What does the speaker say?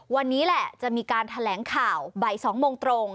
วันนี้แหละจะมีการแถลงข่าวบ่าย๒โมงตรง